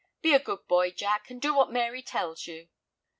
Be a good boy, Jack, and do what Mary tells you."